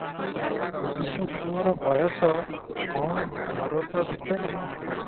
ପୁରୁଷ ପୁଅର ବୟସ କଣ ଧରୋଟ ଭିତରେ?